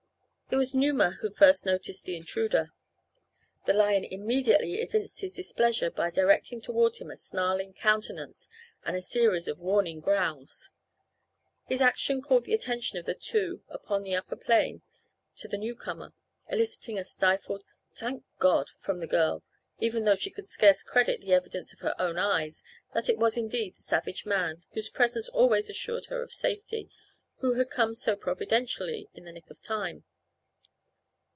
It was Numa who first noticed the intruder. The lion immediately evinced his displeasure by directing toward him a snarling countenance and a series of warning growls. His action called the attention of the two upon the upper plane to the newcomer, eliciting a stifled "Thank God!" from the girl, even though she could scarce credit the evidence of her own eyes that it was indeed the savage man, whose presence always assured her safety, who had come so providentially in the nick of time.